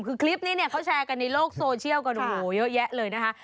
คือคลิปนี้เนี่ยเขาแชร์กันในโลกโซเชียลกันโอ้โหเยอะแยะเลยนะคะ